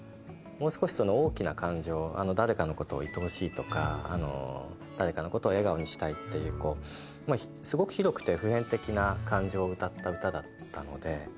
もう少し大きな感情誰かのことをいとおしいとか誰かのことを笑顔にしたいっていうすごく広くて普遍的な感情を歌った歌だったので。